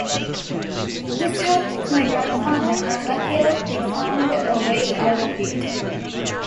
This happened to my grandfather and luckily he found a way out of it